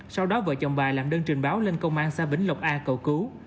sau đó vợ chồng bà làm đơn trình báo lên công an xa bến lộc a cầu cứu